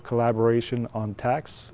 có phương tiện phát triển